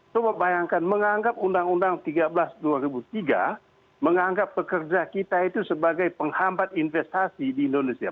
coba bayangkan menganggap undang undang tiga belas dua ribu tiga menganggap pekerja kita itu sebagai penghambat investasi di indonesia